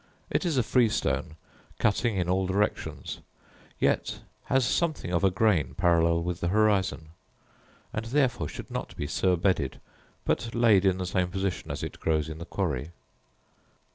It is a freestone, cutting in all directions; yet has something of a grain parallel with the horizon, and therefore should not be surbedded, but laid in the same position as it grows in the quarry.